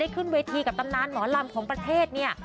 ขึ้นเวทีกับตำนานหมอลำของประเทศเนี่ย